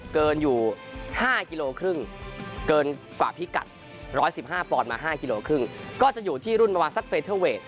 เกินอยู่๕กิโลครึ่งเกินกว่าพิกัด๑๑๕ปอนด์มา๕กิโลครึ่งก็จะอยู่ที่รุ่นประมาณสักเฟเทอร์เวท